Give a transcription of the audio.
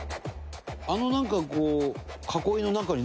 あのなんかこう。